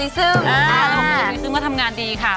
ใช่แล้วเมตาโบลิซึ่งก็ทำงานดีค่ะ